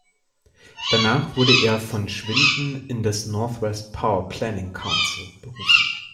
Danach wurde er von Schwinden in das "Northwest Power Planning Council" berufen.